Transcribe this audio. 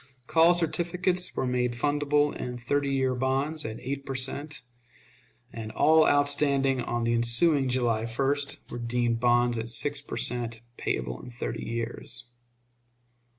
Call certificates were made fundable in thirty years bonds at eight per cent., and all outstanding on the ensuing July 1st were deemed bonds at six per cent., payable in thirty years.